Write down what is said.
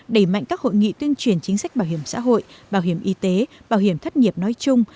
đẩy mạnh các hội nghị tuyên truyền chính sách bảo hiểm xã hội bảo hiểm y tế bảo hiểm thất nghiệp nói chung